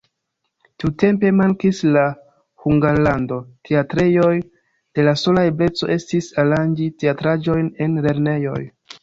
Tiutempe mankis en Hungarlando teatrejoj, la sola ebleco estis aranĝi teatraĵojn en lernejoj.